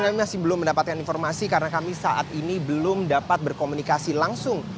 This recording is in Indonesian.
tapi kami masih belum mendapatkan informasi karena kami saat ini belum dapat berkomunikasi langsung